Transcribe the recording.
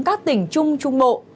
các tỉnh trung trung bộ